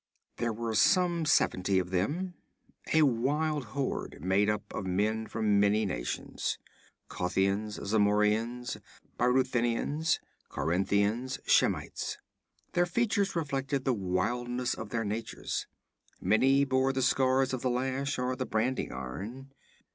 There were some seventy of them, a wild horde made up of men from many nations: Kothians, Zamorians, Brythunians, Corinthians, Shemites. Their features reflected the wildness of their natures. Many bore the scars of the lash or the branding iron.